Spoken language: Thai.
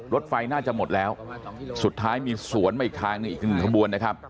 รถไฟน่าจะหมดแล้วสุดท้ายมีสวนมาอีกทาง๑ขบวนนะครับ